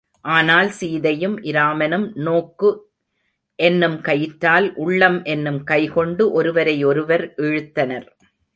ஆனால் சீதையும் இராமனும், நோக்கு என்னும் கயிற்றால் உள்ளம் என்னும் கைகொண்டு ஒருவரை ஒருவர் இழுத்தனர்.